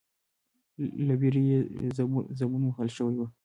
، له وېرې يې زبون وهل شوی و،